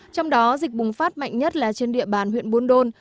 trong đó dịch bùng phát mạnh nhất là trên địa bàn huyện buôn đôn